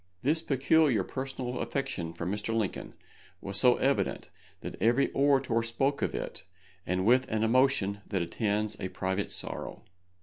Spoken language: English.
This peculiar personal affection for Mr. Lincoln was so evident that every orator spoke of it, and with an emotion that attends a private sorrow.